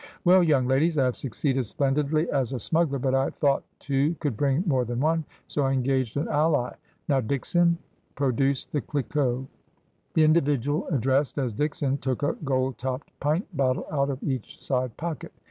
' Well, young ladies, I have succeeded splendidly as a smug gler ; but I thought two could bring more than one, so I engaged an ally. Now, Dickson, produce the Cliquot.' The individual addressed as Dickson took a gold topped pint bottle out of each side pocket.